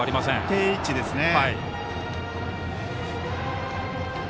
定位置ですね。